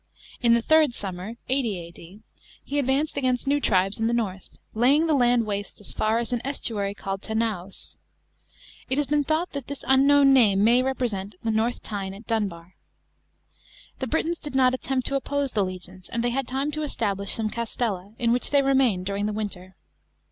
In the third summer (80 A.D.) he advanced against new tribes in the north, laying the land waste as far as an estuary called Tanaus. It has been thought that this unknown name may represent the North Tyne at Dunbar. The Britons did not attempt to oppose the legions, and they had time to establish some castetta, in which they remained during the winter.